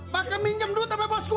pakai minjem dulu tapi bos gua